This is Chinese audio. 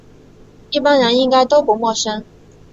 一般人应该都不陌生